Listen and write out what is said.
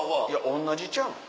同じちゃうん？